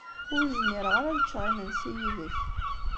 Ur zmireɣ ara ad ččeɣ imensi yid-k.